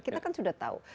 kita kan sudah tahu